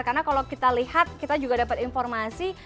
karena kalau kita lihat kita juga dapat informasi